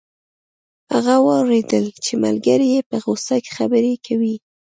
هغه واوریدل چې ملګری یې په غوسه خبرې کوي